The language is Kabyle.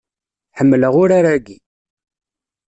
Ḥemmleɣ urar-agi.